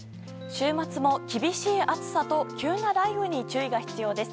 週末も厳しい暑さと急な雷雨に注意が必要です。